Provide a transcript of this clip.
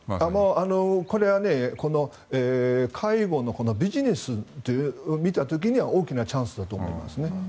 これは介護のビジネスと見た時には大きなチャンスだと思います。